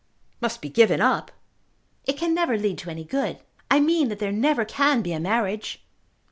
"Must be given up?" "It can never lead to any good. I mean that there never can be a marriage."